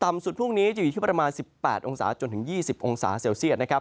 ต่ำสุดพรุ่งนี้ที่ประมาณ๑๘๒๐เซลสิทธิ์